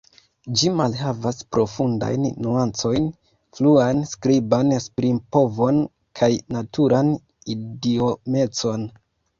Ĝi malhavas profundajn nuancojn, fluan skriban esprimpovon kaj naturan idiomecon.